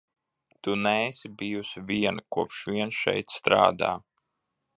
Tu neesi bijusi viena, kopš vien šeit strādā.